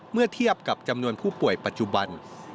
เมื่อเทียบกับจำนวนผู้ป่วยปัจจุบัน